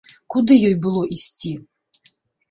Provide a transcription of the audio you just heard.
Куды ёй было ісці?